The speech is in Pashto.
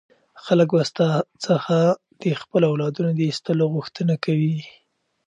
خلک به ستا څخه د خپلو اولادونو د ایستلو غوښتنه کوي.